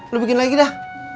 lu bikin lagi dah